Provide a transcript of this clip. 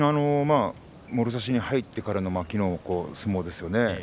もろ差しに入ってからの相撲ですよね。